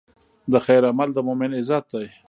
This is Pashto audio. د خیر عمل د مؤمن عزت دی.